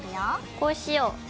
こうしよう。